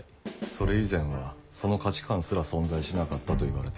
それ以前はその価値観すら存在しなかったといわれています。